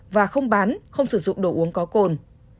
và không bán không sử dụng đồ uống có cồn